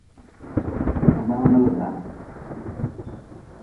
Ma gbama na bi dan.